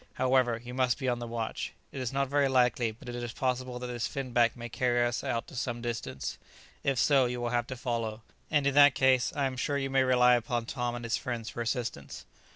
However, you must be on the watch. It is not very likely, but it is possible that this finback may carry us out to some distance. If so, you will have to follow; and in that case, I am sure you may rely upon Tom and his friends for assistance."